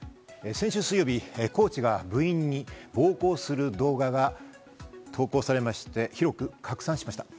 先週水曜日、コーチが部員に暴行する動画が投稿されまして、広く拡散しました。